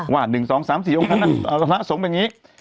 ว่า๑๒๓๔องค์กรรมนักศึมภ์มีแบบนี้